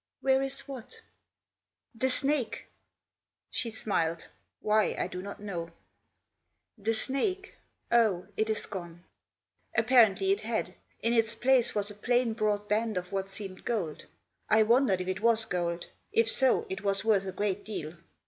"Where is what?" "The snake." She smiled ; why, I do not know. " The snake ? Oh, it is gone." Apparently it had. In its place was a plain broad band of what seemed gold. I wondered if it was gold. If so, it was worth a great deal.